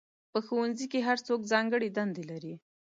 په ښوونځي کې هر څوک ځانګړې دندې لري.